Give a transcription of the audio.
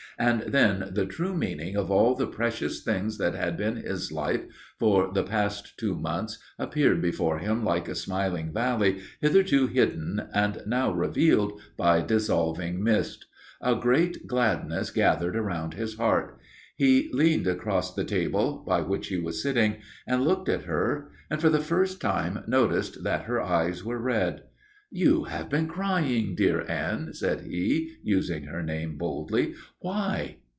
And then the true meaning of all the precious things that had been his life for the past two months appeared before him like a smiling valley hitherto hidden and now revealed by dissolving mist. A great gladness gathered round his heart. He leaned across the table by which he was sitting and looked at her and for the first time noticed that her eyes were red. "You have been crying, dear Anne," said he, using her name boldly. "Why?"